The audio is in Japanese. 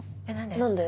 何で？